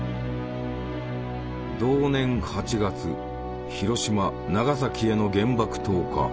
同年８月広島・長崎への原爆投下。